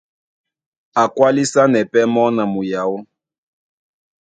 A kwálisanɛ pɛ́ mɔ́ na muyaó.